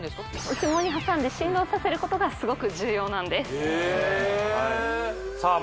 内ももに挟んで振動させることがすごく重要なんですへえさあ